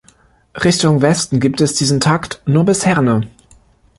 Richtung Westen gibt es diesen Takt nur bis Herne.